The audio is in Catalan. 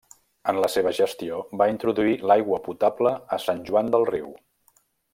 En la seva gestió va introduir l'aigua potable a Sant Joan del Riu.